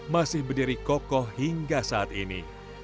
masih berdiri kokoh hingga saat ini